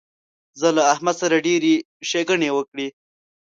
زه له احمد سره ډېرې ښېګڼې وکړې.